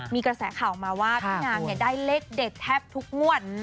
มีกระแสข่าวออกมาว่าพี่นางได้เลขเด็ดแทบทุกงวด